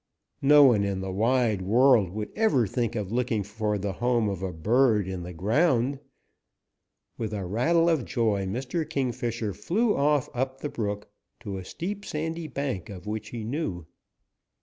No one in the wide world would ever think of looking for the home of a bird in the ground. With a rattle of joy, Mr. Kingfisher flew off up the brook to a steep, sandy bank of which he knew.